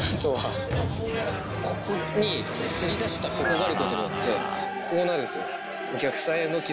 ここにせり出したここがあることによってこうなるんすよ。